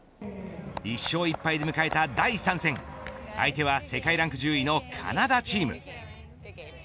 １勝１敗で迎えた第３戦相手は世界ランク１０位のカナダチーム。